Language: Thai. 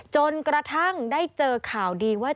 จนกระทั่งได้เจอข่าวดีว่า